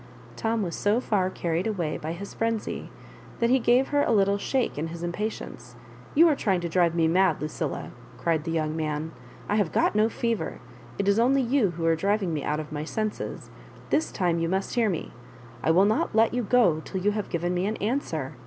Tom was so far carried away by his frenzy that he gave her a little shake in his impatience. "You are trying to drive me mad, Lucilla I" cried the young man. I have got no fever. It is only you who are driving me out of my senses. This time you must hear me. I will not let yOu go till you have given me an answer.